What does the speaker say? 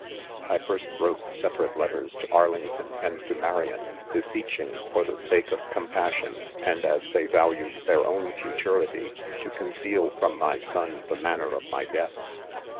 6 1 first wrote separate letters to Arlington and to Marian, beseeching, for the sake of compassion, and as they valued their own. fu turity, to conceal from my son the manner of my death.